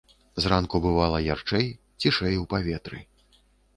Зранку бывала ярчэй, цішэй у паветры.